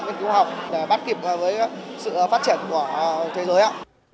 nghiên cứu học để bắt kịp với sự phát triển của thế giới